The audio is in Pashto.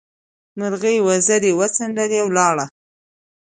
مرغۍ وزرې وڅنډلې؛ ولاړه.